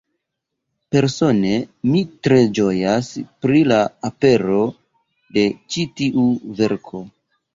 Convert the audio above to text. Persone, mi tre ĝojas pri la apero de ĉi tiu verko.